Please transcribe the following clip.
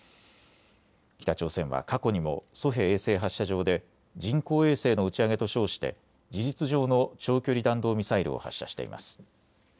北朝鮮は過去にもソヘ衛星発射場で人工衛星の打ち上げと称して事実上の長距離弾道ミサイルを発射しています。